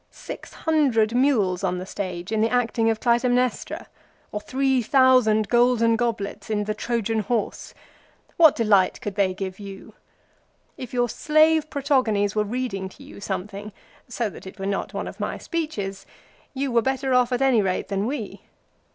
Six hundred mules on the stage in the acting of ' Clytemnestra,' or three thousand golden goblets in ' The Trojan Horse,' what delight could they give you '( If your slave Protogenes was reading to you something, so that it were not one of my speeches, you were better off at any rate than we.